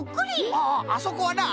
あああそこはな